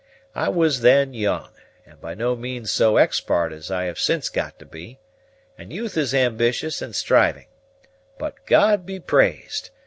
I was then young, and by no means so expart as I have since got to be, and youth is ambitious and striving; but, God be praised!